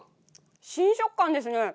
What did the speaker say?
新食感ですね。